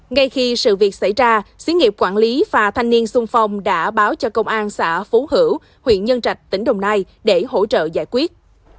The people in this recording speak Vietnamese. ngay khi sự việc xảy ra xứ nghiệp quản lý phà thanh niên sung phong đã báo cho công an xã phú hữu huyện nhân trạch tỉnh đồng nai để hỗ trợ giải quyết